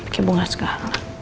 pake bunga segala